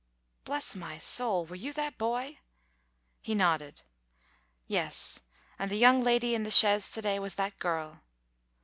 "Bless my soul! Were you that boy?" He nodded. "Yes: and the young lady in the chaise to day was that girl.